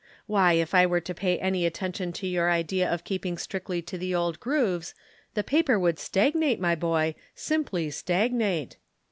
Why, if I were to pay any attention to your idea of keeping strictly to the old grooves, the paper would stagnate, my boy, simply stagnate.'